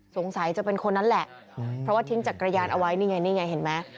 สงสัยจะเป็นคนนั้นแหละเพราะว่าทิ้งจักรยานเอาไว้นี่ไงนี่ไงเห็นไหม